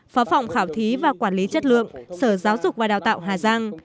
phó phòng khảo thí và quản lý chất lượng sở giáo dục và đào tạo hà giang